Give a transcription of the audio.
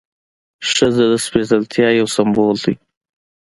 ښځه د سپېڅلتیا یو سمبول ده.